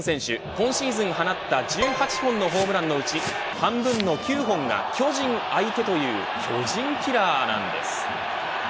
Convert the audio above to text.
今シーズン放った１８本のホームランのうち半分の９本が巨人相手という巨人キラーなんです。